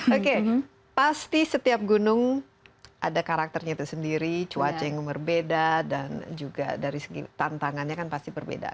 oke pasti setiap gunung ada karakternya itu sendiri cuaca yang berbeda dan juga dari segi tantangannya kan pasti berbeda